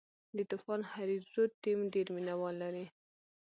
د طوفان هریرود ټیم ډېر مینه وال لري.